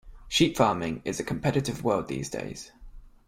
Sheep farming is a competitive world these days.